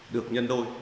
được nhân đôi